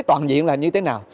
toàn diện là như thế nào